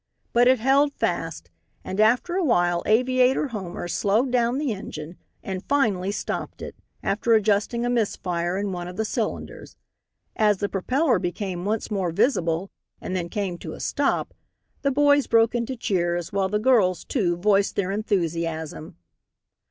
But it held fast, and after a while Aviator Homer slowed down the engine and finally stopped it, after adjusting a miss fire in one of the cylinders. As the propeller became once more visible and then came to a stop, the boys broke into cheers, while the girls, too, voiced their enthusiasm.